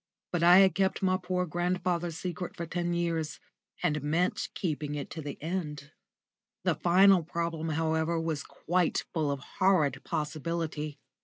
But I had kept my poor grandfather's secret for ten years, and meant keeping it to the end. The final problem, however, was quite full of horrid possibility.